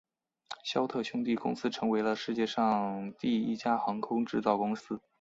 肖特兄弟公司成为了世界上第一家航空制造公司。